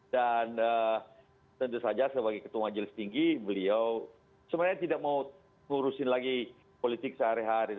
dan tentu saja sebagai ketua majelis tinggi beliau sebenarnya tidak mau mengurusin lagi politik sehari hari